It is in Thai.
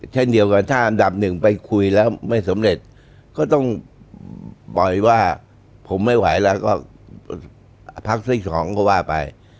เช่นเดียวกับถ้าอันดับหนึ่งไปคุยแล้วไม่สำเร็จก็ต้องปล่อยว่าผมไม่ไหวแล้วก็พักซื้อของก็ว่าไป